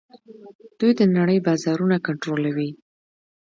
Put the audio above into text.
دوی د نړۍ بازارونه کنټرولوي.